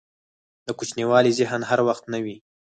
دکوچنیوالي ذهن هر وخت نه وي.